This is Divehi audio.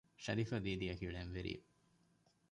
ޝަރީފާ ދީދީ އަކީ ޅެންވެރިއެއް